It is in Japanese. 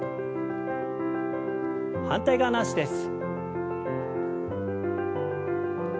反対側の脚です。